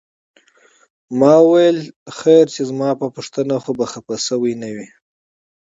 ما وویل خیر شه زما په پوښتنه خو خپه نه شوې؟